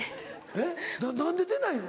えっ何で出ないの？